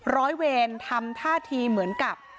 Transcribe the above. ร้อยเวรทำท่าทีเหมือนกับ